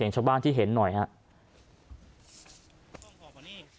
หญิงบอกว่าจะเป็นพี่ปวกหญิงบอกว่าจะเป็นพี่ปวก